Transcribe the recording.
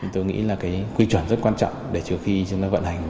tôi nghĩ là cái quy chuẩn rất quan trọng để trừ khi chúng ta vận hành